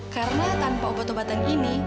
karena tanpa obat obatan ini